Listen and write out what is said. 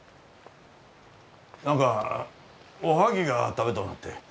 何かおはぎが食べとうなって。